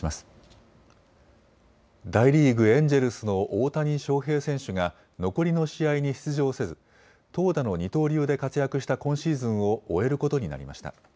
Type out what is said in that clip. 大リーグ、エンジェルスの大谷翔平選手が残りの試合に出場せず投打の二刀流で活躍した今シーズンを終えることになりました。